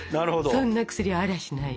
「そんな薬はありゃしない」。